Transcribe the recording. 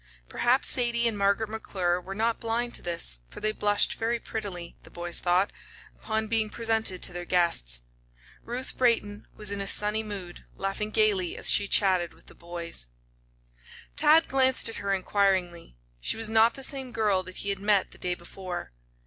Perhaps Sadie and Margaret McClure were not blind to this, for they blushed very prettily, the boys thought, upon being presented to their guests. Ruth Brayton was in a sunny mood, laughing gayly as she chatted with the boys. Tad glanced at her inquiringly. She was not the same girl that he had met the day before.